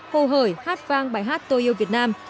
hồ hởi hát vang bài hát tôi yêu việt nam